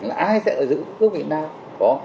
ai sẽ giữ cơ vị nào